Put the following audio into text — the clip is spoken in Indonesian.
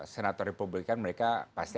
senator republikan mereka pasti